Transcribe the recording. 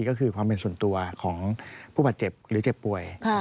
ก็คือความเป็นส่วนตัวของผู้บาดเจ็บหรือเจ็บป่วย